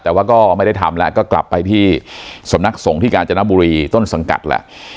แต่ว่าก็ไม่ได้ทำแล้วก็กลับไปที่สำนักสงฆ์ที่กาญจนบุรีต้นสังกัดแหละ